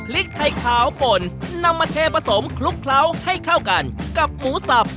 และให้เวลาค่อยให้เข้ากันกับหมูสับ